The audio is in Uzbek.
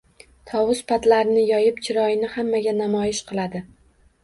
Tovus patlarini yoyib, chiroyini hammaga namoyish qiladi.